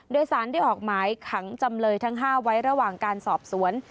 โดยสารได้ออกหมายขังจำเลยทั้ง๕ไว้ระหว่างการสอบสวน